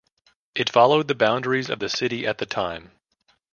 It followed the boundaries of the city at that time.